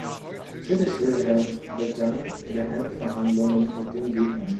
Friedrich Wilhelm begann Geheimverhandlungen mit dem Gegner.